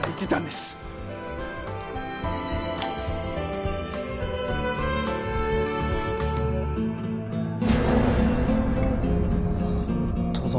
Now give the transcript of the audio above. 本当だ。